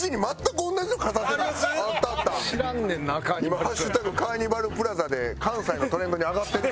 今「＃カーニバルプラザ」で関西のトレンドに上がってる。